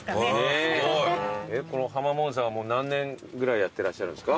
このハマモードさんは何年ぐらいやってらっしゃるんですか？